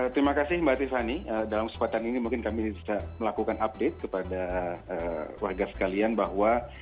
terima kasih mbak tiffany dalam kesempatan ini mungkin kami bisa melakukan update kepada warga sekalian bahwa